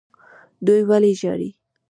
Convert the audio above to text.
دوی ولې ژاړي.